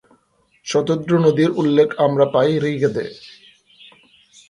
শতদ্রু নদীর উল্লেখ আমরা পাই ঋগ্বেদে।